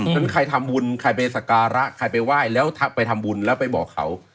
ฉะนั้นใครทำบุญใครไปสการะใครไปไหว้แล้วไปทำบุญแล้วไปบอกเขา